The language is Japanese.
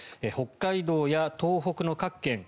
北海道や東北の各県